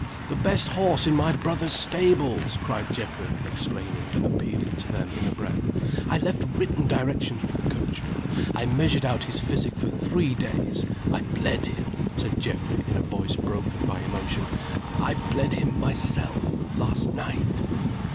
"The best horse in my brother's stables!" cried Geoffrey, explaining, and appealing to them, in a breath. "I left written directions with the coachman, I measured out his physic for three days; I bled him," said Geoffrey, in a voice broken by emotion "I bled him myself, last night."